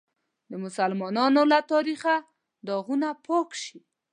د مسلمانانو له تاریخه داغونه پاک شي.